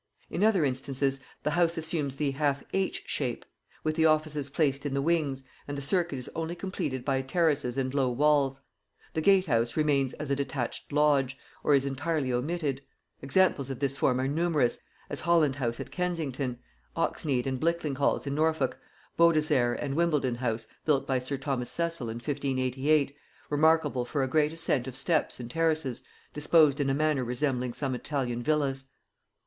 In other instances the house assumes the half H shape, with the offices placed in the wings; and the circuit is only completed by terraces and low walls; the gatehouse remains as a detached lodge, or is entirely omitted: examples of this form are numerous; as Holland house at Kensington, Oxnead and Blickling halls in Norfolk, Beaudesert and Wimbledon house, built by sir Thomas Cecil in 1588, remarkable for a great ascent of steps and terraces disposed in a manner resembling some Italian villas.